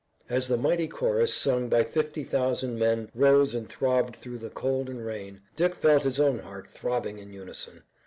As the mighty chorus, sung by fifty thousand men, rose and throbbed through the cold and rain, Dick felt his own heart throbbing in unison.